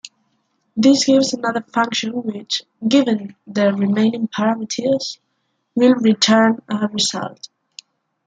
This gives another function which, given the remaining parameters, will return a result.